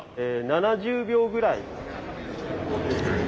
７０秒ぐらい。